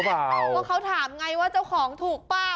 เพราะเขาถามไงว่าเจ้าของถูกเปล่า